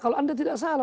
kalau anda tidak salah